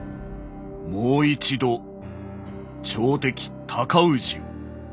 「もう一度朝敵尊氏を討て」。